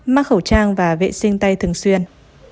mặc khẩu trang và vệ sinh tay thường xuyên